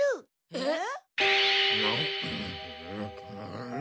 えっ？